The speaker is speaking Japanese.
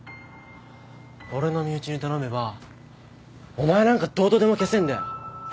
俺の身内に頼めばお前なんかどうとでも消せんだよ